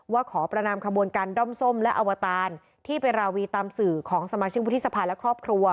ขอประนามขบวนการด้อมส้มและอวตารที่ไปราวีตามสื่อของสมาชิกวุฒิสภาและครอบครัว